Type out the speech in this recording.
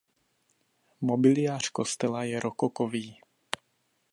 Mobiliář kostela je rokokový.